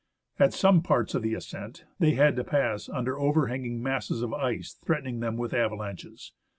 At some parts of the ascent, they had to pass under overhanging masses of ice threatening them with avalanches.